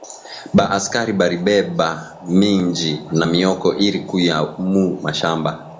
Ba askari bari beba minji na mioko iri kuya mu mashamba